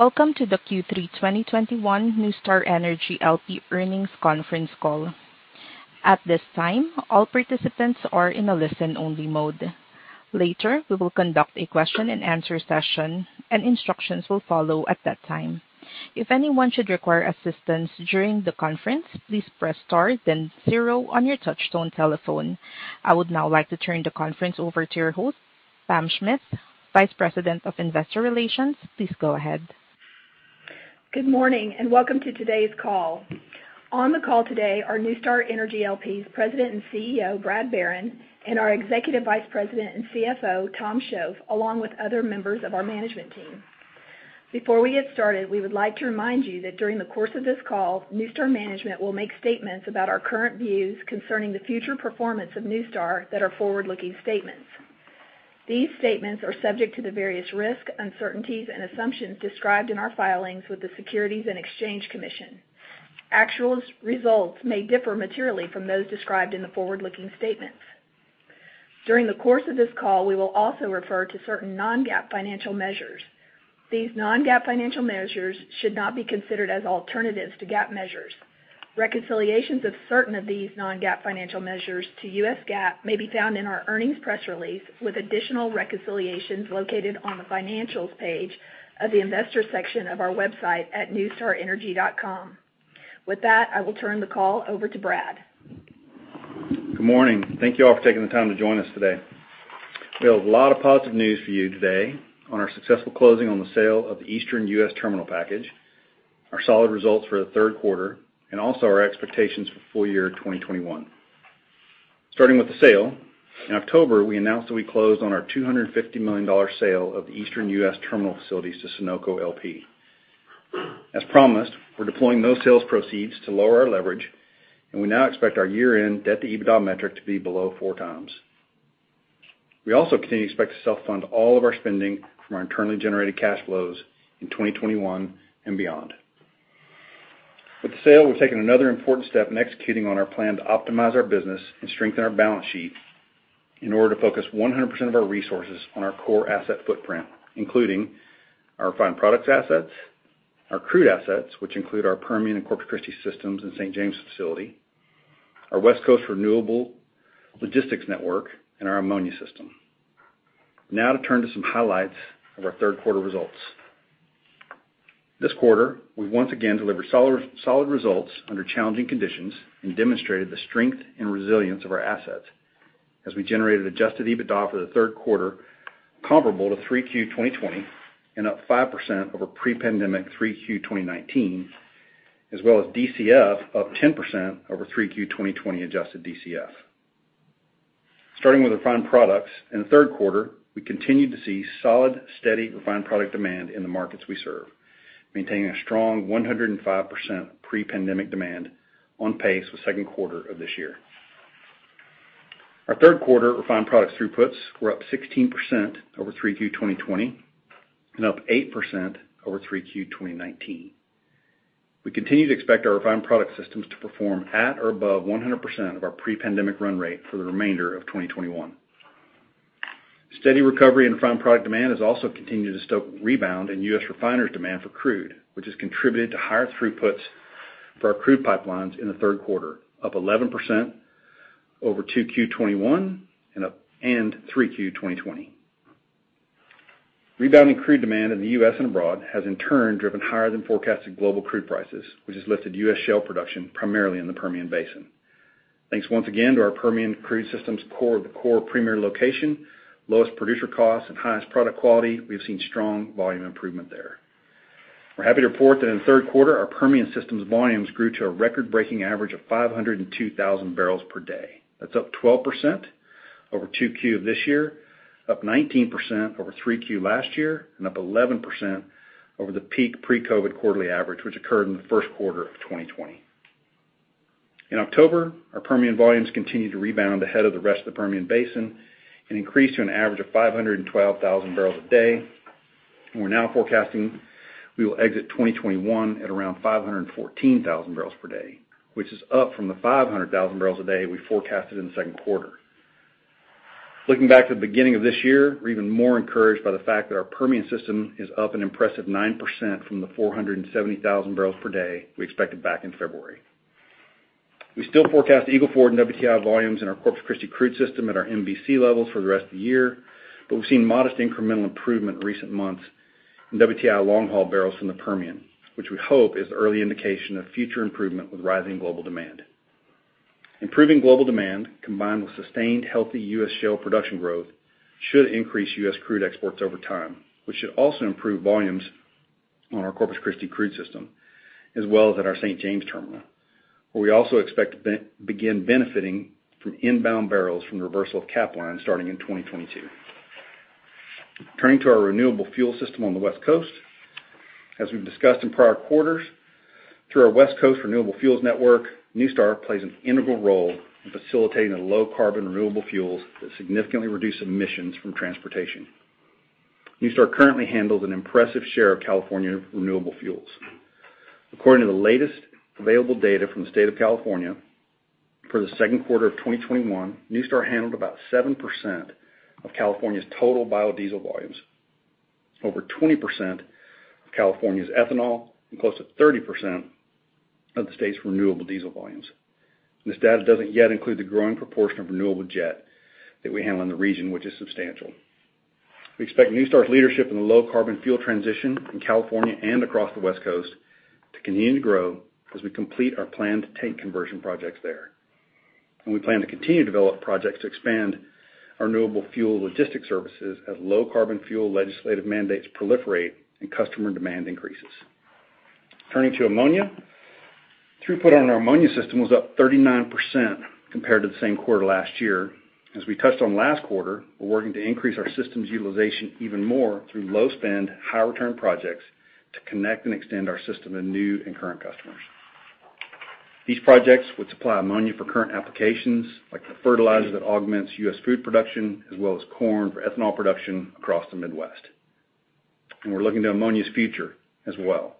Welcome to the Q3 2021 NuStar Energy LP Earnings Conference Call. At this time, all participants are in a listen-only mode. Later, we will conduct a question-and-answer session, and instructions will follow at that time. If anyone should require assistance during the conference, please press star then zero on your touchtone telephone. I would now like to turn the conference over to your host, Pam Schmidt, Vice President of Investor Relations. Please go ahead. Good morning, and welcome to today's call. On the call today are NuStar Energy LP's President and CEO, Brad Barron, and our Executive Vice President and CFO, Tom Shoaf, along with other members of our management team. Before we get started, we would like to remind you that during the course of this call, NuStar management will make statements about our current views concerning the future performance of NuStar that are forward-looking statements. These statements are subject to the various risks, uncertainties, and assumptions described in our filings with the Securities and Exchange Commission. Actual results may differ materially from those described in the forward-looking statements. During the course of this call, we will also refer to certain non-GAAP financial measures. These non-GAAP financial measures should not be considered as alternatives to GAAP measures. Reconciliations of certain of these non-GAAP financial measures to U.S. GAAP may be found in our earnings press release, with additional reconciliations located on the Financials page of the Investors section of our website at nustarenergy.com. With that, I will turn the call over to Brad. Good morning. Thank you all for taking the time to join us today. We have a lot of positive news for you today on our successful closing on the sale of the Eastern U.S. terminal package, our solid results for the third quarter, and also our expectations for full year 2021. Starting with the sale, in October, we announced that we closed on our $250 million sale of the Eastern U.S. terminal facilities to Sunoco LP. As promised, we're deploying those sales proceeds to lower our leverage, and we now expect our year-end debt-to-EBITDA metric to be below 4x. We also continue to expect to self-fund all of our spending from our internally generated cash flows in 2021 and beyond. With the sale, we've taken another important step in executing on our plan to optimize our business and strengthen our balance sheet in order to focus 100% of our resources on our core asset footprint, including our refined products assets, our crude assets, which include our Permian and Corpus Christi systems and St. James facility, our West Coast renewable logistics network, and our ammonia system. Now to turn to some highlights of our third quarter results. This quarter, we once again delivered solid results under challenging conditions and demonstrated the strength and resilience of our assets as we generated adjusted EBITDA for the third quarter comparable to Q3 2020 and up 5% over pre-pandemic Q3 2019, as well as DCF up 10% over Q3 2020 adjusted DCF. Starting with refined products, in the third quarter, we continued to see solid, steady refined product demand in the markets we serve, maintaining a strong 105% pre-pandemic demand on pace with second quarter of this year. Our third quarter refined products throughputs were up 16% over 3Q 2020 and up 8% over 3Q 2019. We continue to expect our refined product systems to perform at or above 100% of our pre-pandemic run rate for the remainder of 2021. Steady recovery in refined product demand has also continued to stoke rebound in U.S. refiners demand for crude, which has contributed to higher throughputs for our crude pipelines in the third quarter, up 11% over 2Q 2021 and up 3Q 2020. Rebounding crude demand in the U.S. and abroad has in turn driven higher than forecasted global crude prices, which has lifted U.S. shale production primarily in the Permian Basin. Thanks once again to our Permian crude systems core, the core premier location, lowest producer costs and highest product quality, we've seen strong volume improvement there. We're happy to report that in the third quarter, our Permian systems volumes grew to a record-breaking average of 502,000 bbl per day. That's up 12% over 2Q of this year, up 19% over 3Q last year, and up 11% over the peak pre-COVID quarterly average, which occurred in the first quarter of 2020. In October, our Permian volumes continued to rebound ahead of the rest of the Permian Basin and increased to an average of 512,000 bbl a day. We're now forecasting we will exit 2021 at around 514,000 bbl per day, which is up from the 500,000 bbl a day we forecasted in the second quarter. Looking back to the beginning of this year, we're even more encouraged by the fact that our Permian system is up an impressive 9% from the 470,000 bbl per day we expected back in February. We still forecast Eagle Ford and WTI volumes in our Corpus Christi crude system at our MVC levels for the rest of the year, but we've seen modest incremental improvement in recent months in WTI long-haul bbl from the Permian, which we hope is early indication of future improvement with rising global demand. Improving global demand, combined with sustained healthy U.S. shale production growth, should increase U.S. crude exports over time, which should also improve volumes on our Corpus Christi crude system, as well as at our St. James terminal, where we also expect to begin benefiting from inbound bbl from the reversal of Capline starting in 2022. Turning to our renewable fuel system on the West Coast. As we've discussed in prior quarters, through our West Coast renewable fuels network, NuStar plays an integral role in facilitating the low carbon renewable fuels that significantly reduce emissions from transportation. NuStar currently handles an impressive share of California renewable fuels. According to the latest available data from the state of California, for the second quarter of 2021, NuStar handled about 7% of California's total biodiesel volumes, over 20% of California's ethanol, and close to 30% of the state's renewable diesel volumes. This data doesn't yet include the growing proportion of renewable jet that we handle in the region, which is substantial. We expect NuStar's leadership in the low carbon fuel transition in California and across the West Coast to continue to grow as we complete our planned tank conversion projects there. We plan to continue to develop projects to expand our renewable fuel logistics services as low carbon fuel legislative mandates proliferate and customer demand increases. Turning to ammonia, throughput on our ammonia system was up 39% compared to the same quarter last year. As we touched on last quarter, we're working to increase our systems utilization even more through low spend, high return projects to connect and extend our system to new and current customers. These projects would supply ammonia for current applications like the fertilizer that augments U.S. food production, as well as corn for ethanol production across the Midwest. We're looking to ammonia's future as well,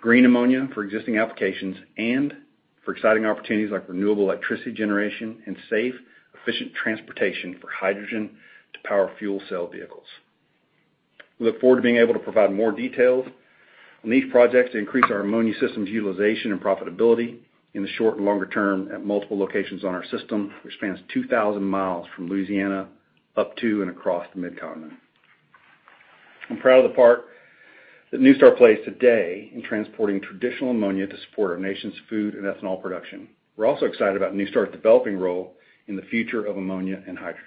green ammonia for existing applications and for exciting opportunities like renewable electricity generation and safe, efficient transportation for hydrogen to power fuel cell vehicles. We look forward to being able to provide more details on these projects to increase our ammonia systems utilization and profitability in the short and longer term at multiple locations on our system, which spans 2,000 miles from Louisiana up to and across the Mid-Continent. I'm proud of the part that NuStar plays today in transporting traditional ammonia to support our nation's food and ethanol production. We're also excited about NuStar's developing role in the future of ammonia and hydrogen.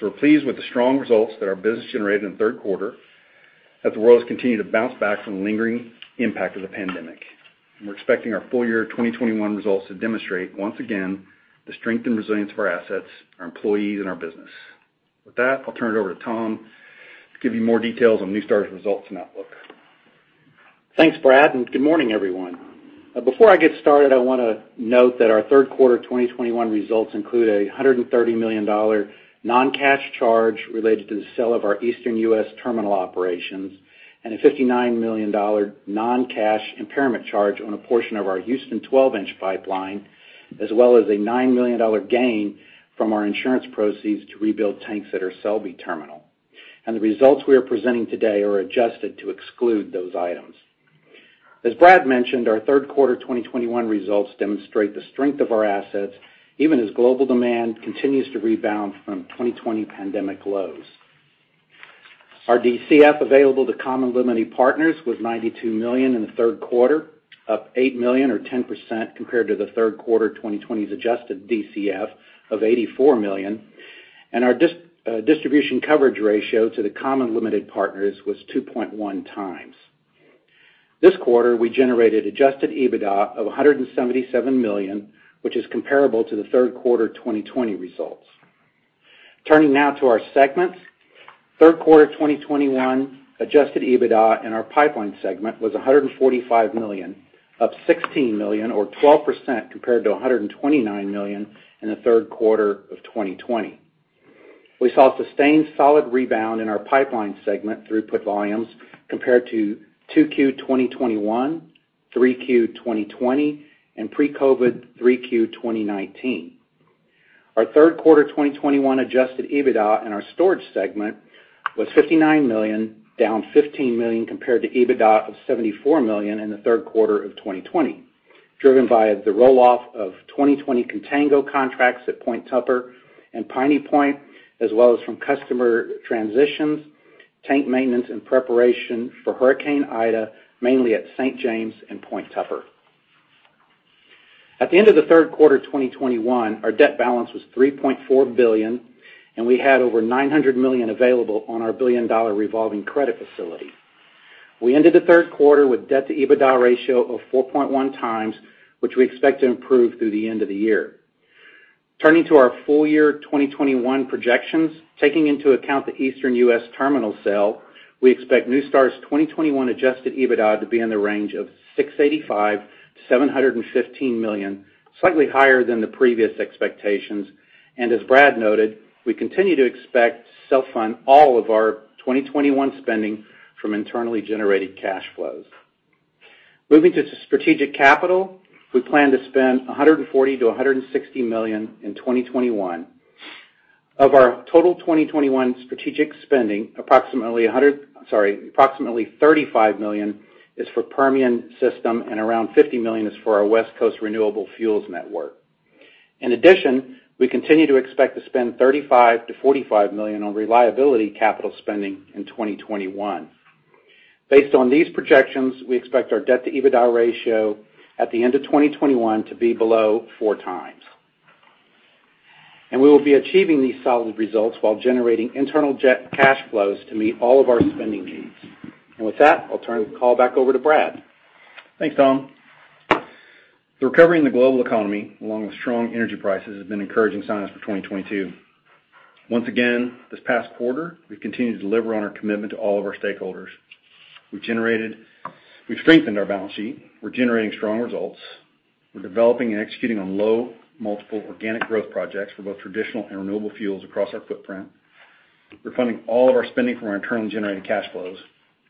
We're pleased with the strong results that our business generated in the third quarter as the world has continued to bounce back from the lingering impact of the pandemic. We're expecting our full year 2021 results to demonstrate, once again, the strength and resilience of our assets, our employees, and our business. With that, I'll turn it over to Tom to give you more details on NuStar's results and outlook. Thanks, Brad, and good morning, everyone. Before I get started, I wanna note that our third quarter 2021 results include a $130 million non-cash charge related to the sale of our Eastern U.S. terminal operations and a $59 million non-cash impairment charge on a portion of our Houston 12-inch pipeline, as well as a $9 million gain from our insurance proceeds to rebuild tanks at our Selby terminal. The results we are presenting today are adjusted to exclude those items. As Brad mentioned, our third quarter 2021 results demonstrate the strength of our assets, even as global demand continues to rebound from 2020 pandemic lows. Our DCF available to common limited partners was $92 million in the third quarter, up $8 million or 10% compared to the third quarter 2020's adjusted DCF of $84 million. Our distribution coverage ratio to the common limited partners was 2.1x. This quarter, we generated adjusted EBITDA of $177 million, which is comparable to the third quarter 2020 results. Turning now to our segments. Third quarter 2021 adjusted EBITDA in our Pipeline segment was $145 million, up $16 million or 12% compared to $129 million in the third quarter of 2020. We saw a sustained solid rebound in our Pipeline segment throughput volumes compared to 2Q 2021, 3Q 2020, and pre-COVID 3Q 2019. Our third quarter 2021 adjusted EBITDA in our storage segment was $59 million, down $15 million compared to EBITDA of $74 million in the third quarter of 2020, driven by the roll-off of 2020 contango contracts at Point Tupper and Piney Point, as well as from customer transitions, tank maintenance and preparation for Hurricane Ida, mainly at St. James and Point Tupper. At the end of the third quarter 2021, our debt balance was $3.4 billion, and we had over $900 million available on our billion-dollar revolving credit facility. We ended the third quarter with debt-to-EBITDA ratio of 4.1x, which we expect to improve through the end of the year. Turning to our full year 2021 projections, taking into account the Eastern U.S. terminal sale, we expect NuStar's 2021 adjusted EBITDA to be in the range of $685 million-$715 million, slightly higher than the previous expectations. As Brad noted, we continue to expect to self-fund all of our 2021 spending from internally generated cash flows. Moving to strategic capital, we plan to spend $140 million-$160 million in 2021. Of our total 2021 strategic spending, approximately $35 million is for Permian system and around $50 million is for our West Coast renewable fuels network. In addition, we continue to expect to spend $35 million-$45 million on reliability capital spending in 2021. Based on these projections, we expect our debt-to-EBITDA ratio at the end of 2021 to be below 4x. We will be achieving these solid results while generating internal cash flows to meet all of our spending needs. With that, I'll turn the call back over to Brad. Thanks, Tom. The recovery in the global economy, along with strong energy prices, has been encouraging signs for 2022. Once again, this past quarter, we've continued to deliver on our commitment to all of our stakeholders. We've strengthened our balance sheet. We're generating strong results. We're developing and executing on low multiple organic growth projects for both traditional and renewable fuels across our footprint. We're funding all of our spending from our internally-generated cash flows,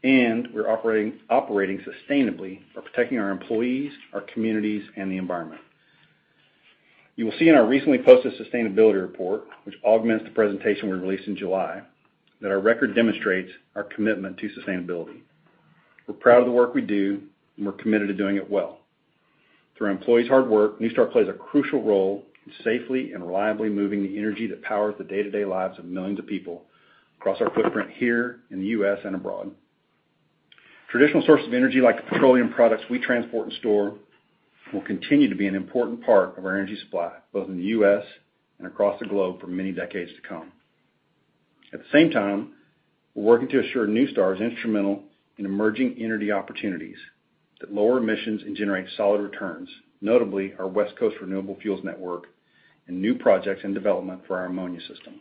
and we're operating sustainably while protecting our employees, our communities, and the environment. You will see in our recently posted sustainability report, which augments the presentation we released in July, that our record demonstrates our commitment to sustainability. We're proud of the work we do, and we're committed to doing it well. Through our employees' hard work, NuStar plays a crucial role in safely and reliably moving the energy that powers the day-to-day lives of millions of people across our footprint here in the U.S. and abroad. Traditional sources of energy like the petroleum products we transport and store will continue to be an important part of our energy supply, both in the U.S. and across the globe for many decades to come. At the same time, we're working to ensure NuStar is instrumental in emerging energy opportunities that lower emissions and generate solid returns, notably our West Coast renewable fuels network and new projects in development for our ammonia system.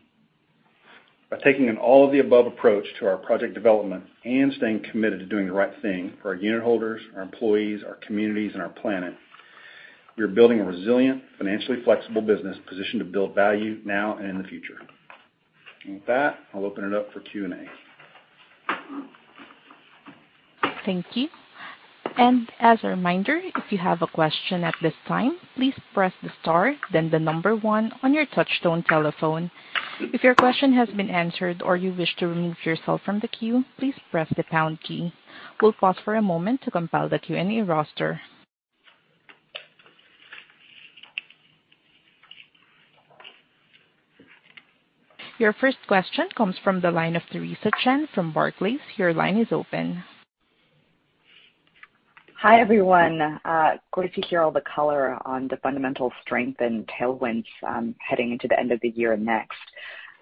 By taking an all-of-the-above approach to our project development and staying committed to doing the right thing for our unitholders, our employees, our communities, and our planet, we are building a resilient, financially flexible business positioned to build value now and in the future. With that, I'll open it up for Q&A. Thank you. As a reminder, if you have a question at this time, please press the star, then the number one on your touchtone telephone. If your question has been answered or you wish to remove yourself from the queue, please press the pound key. We'll pause for a moment to compile the Q&A roster. Your first question comes from the line of Theresa Chen from Barclays. Your line is open. Hi, everyone. Great to hear all the color on the fundamental strength and tailwinds heading into the end of the year and next.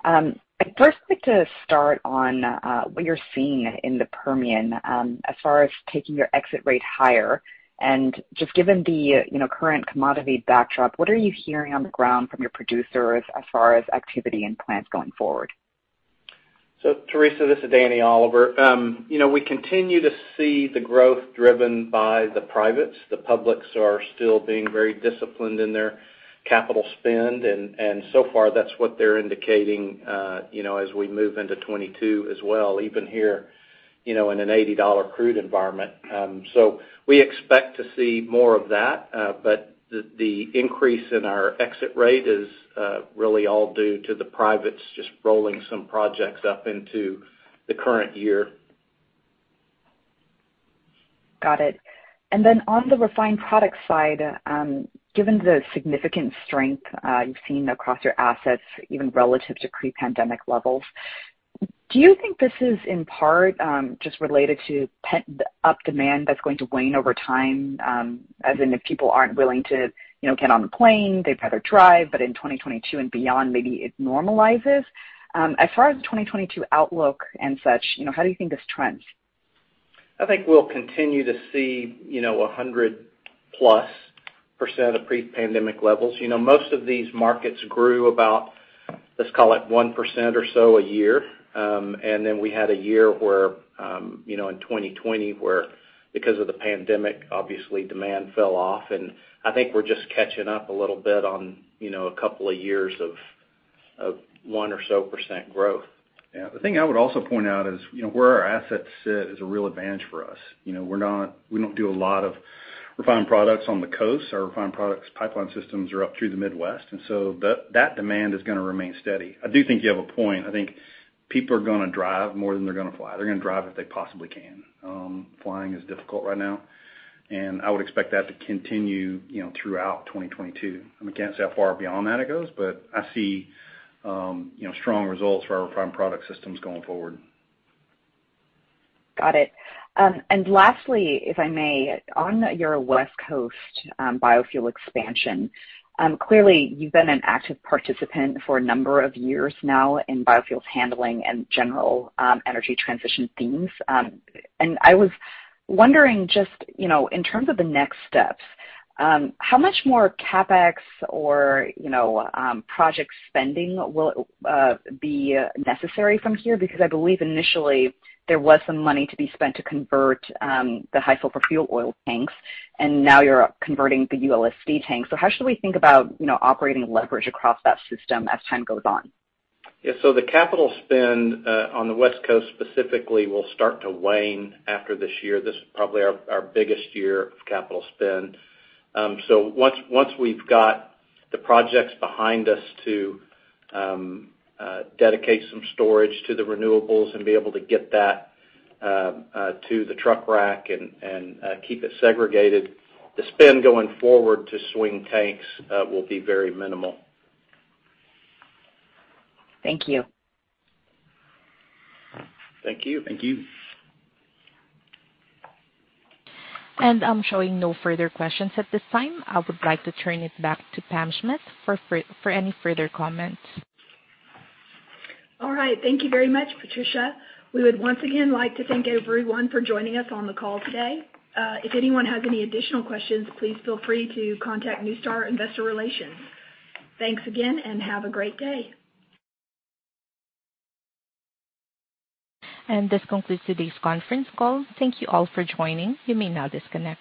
I'd first like to start on what you're seeing in the Permian as far as taking your exit rate higher. Just given the current commodity backdrop, you know, what are you hearing on the ground from your producers as far as activity and plans going forward? Theresa, this is Danny Oliver. You know, we continue to see the growth driven by the privates. The publics are still being very disciplined in their capital spend, and so far, that's what they're indicating, you know, as we move into 2022 as well, even here, you know, in an $80 crude environment. We expect to see more of that, but the increase in our exit rate is really all due to the privates just rolling some projects up into the current year. Got it. On the refined product side, given the significant strength you've seen across your assets, even relative to pre-pandemic levels, do you think this is in part just related to pent-up demand that's going to wane over time, as in if people aren't willing to, you know, get on a plane, they'd rather drive, but in 2022 and beyond, maybe it normalizes? As far as the 2022 outlook and such, you know, how do you think this trends? I think we'll continue to see, you know, 100%+ of pre-pandemic levels. You know, most of these markets grew about, let's call it 1% or so a year. Then we had a year where, you know, in 2020, where because of the pandemic, obviously demand fell off. I think we're just catching up a little bit on, you know, a couple of years of 1% or so growth. Yeah. The thing I would also point out is, you know, where our assets sit is a real advantage for us. You know, we don't do a lot of refined products on the coast. Our refined products pipeline systems are up through the Midwest, and so that demand is gonna remain steady. I do think you have a point. I think people are gonna drive more than they're gonna fly. They're gonna drive if they possibly can. Flying is difficult right now, and I would expect that to continue, you know, throughout 2022. I mean, I can't say how far beyond that it goes, but I see, you know, strong results for our refined product systems going forward. Got it. Lastly, if I may, on your West Coast biofuel expansion, clearly you've been an active participant for a number of years now in biofuels handling and general energy transition themes. I was wondering just, you know, in terms of the next steps, how much more CapEx or, you know, project spending will be necessary from here? Because I believe initially there was some money to be spent to convert the high sulfur fuel oil tanks, and now you're converting the ULSD tanks. How should we think about, you know, operating leverage across that system as time goes on? Yeah. The capital spend on the West Coast specifically will start to wane after this year. This is probably our biggest year of capital spend. Once we've got the projects behind us to dedicate some storage to the renewables and be able to get that to the truck rack and keep it segregated, the spend going forward to swing tanks will be very minimal. Thank you. Thank you. Thank you. I'm showing no further questions at this time. I would like to turn it back to Pam Schmidt for any further comments. All right. Thank you very much, Patricia. We would once again like to thank everyone for joining us on the call today. If anyone has any additional questions, please feel free to contact NuStar Investor Relations. Thanks again, and have a great day. This concludes today's conference call. Thank you all for joining. You may now disconnect.